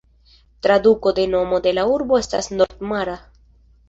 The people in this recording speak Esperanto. Traduko de nomo de la urbo estas "nord-mara".